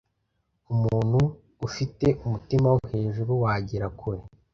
Umuntu ufite umutima wo hejuru wagera kure